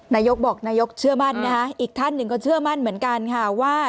นายกบอกนายกเชื่อมั่นนะฮะ